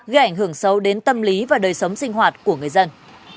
gây ảnh hưởng sâu đến tâm lý và đời sống sinh hoạt của người dân